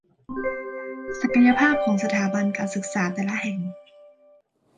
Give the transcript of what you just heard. ศักยภาพของสถาบันการศึกษาแต่ละแห่ง